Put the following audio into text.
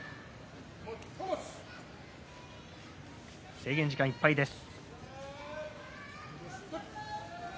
制限時間いっぱいです。